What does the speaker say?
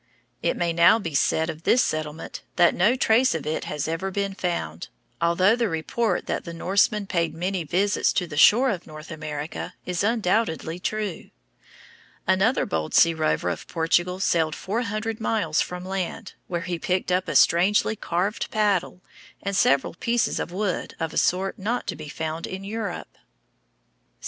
It may now be said of this settlement that no trace of it has ever been found, although the report that the Norsemen paid many visits to the shore of North America is undoubtedly true. Another bold sea rover of Portugal sailed four hundred miles from land, where he picked up a strangely carved paddle and several pieces of wood of a sort not to be found in Europe. St.